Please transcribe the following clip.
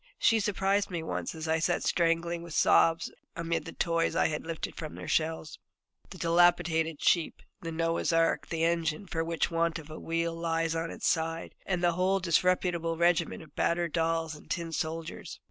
She surprised me once as I sat strangling with sobs amid the toys I had lifted from their shelves, the dilapidated sheep, the Noah's Ark, the engine, which for want of a wheel lies on its side, and a whole disreputable regiment of battered dolls and tin soldiers.